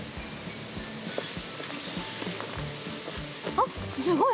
あっすごい！